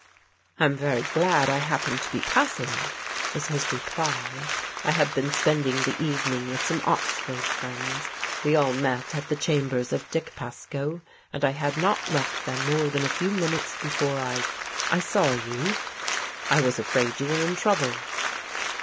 " I'm very glad I happened to be passing," was his re ply. " I had been spending the evening with some Ox ford friends. We all met at the chambers of Dick Pascoe, and I had not left them more than a few minutes before I — I saw you. I was afraid you were in trouble."